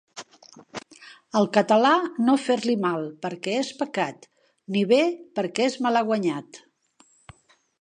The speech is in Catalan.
Al català, no fer-li mal, perquè és pecat, ni bé, perquè és malaguanyat.